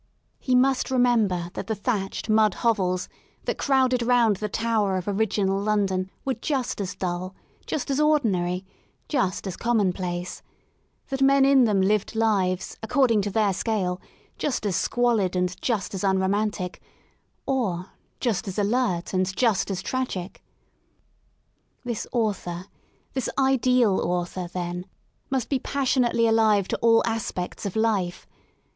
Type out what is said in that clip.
He must remember that the thatched, mud hovels that crowded round the Tower of original London, were just as dull, just as ordinary, just as commonplace; that men in them lived lives, according to their scale, just as squalid and just as un romantic — or just as alert and just as tragic. This author^ — this ideal author^— then, must be passionately alive to all aspects of life.